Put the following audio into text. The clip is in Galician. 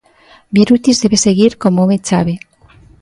Birutis debe seguir como home chave.